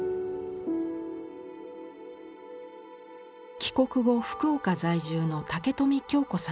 帰国後福岡在住の武富京子さんと再婚。